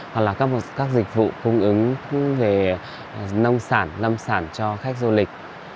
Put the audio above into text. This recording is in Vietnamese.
hoặc là các dịch vụ cung ứng về nông sản lâm sản cho khách du lịch